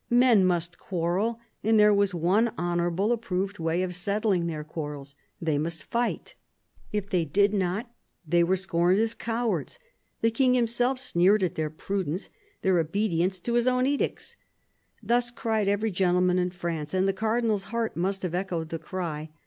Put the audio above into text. Men must quarrel, and there was one honourable, approved way of settling their quarrels : they must fight. If they did not they were scorned as cowards ; the King himself sneered at their prudence, their obedience to his own edicts. Thus cried every gentleman in France, and the Cardinal's heart must have echoed the cry.